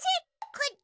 こっち！